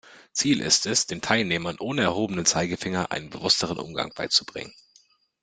Ziel ist es, den Teilnehmern ohne erhobenen Zeigefinger einen bewussteren Umgang beizubringen.